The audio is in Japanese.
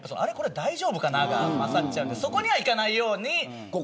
大丈夫かなってなっちゃうんでそこには、いかないように。